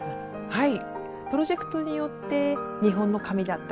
はい。